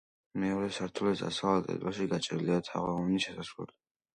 მეორე სართულის დასავლეთ კედელში გაჭრილია თაღოვანი შესასვლელი.